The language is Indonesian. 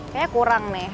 kayaknya kurang nih